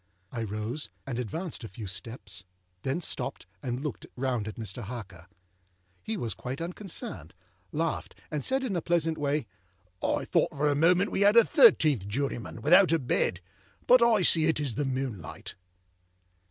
I rose, and advanced a few steps; then stopped, and looked round at Mr. Harker. He was quite unconcerned, laughed, and said in a pleasant way, âI thought for a moment we had a thirteenth juryman, without a bed. But I see it is the moonlight.